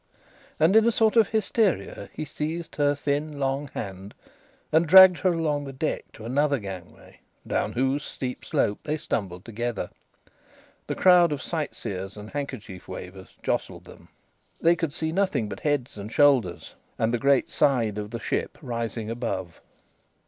And in a sort of hysteria he seized her thin, long hand and dragged her along the deck to another gangway, down whose steep slope they stumbled together. The crowd of sightseers and handkerchief wavers jostled them. They could see nothing but heads and shoulders, and the great side of the ship rising above.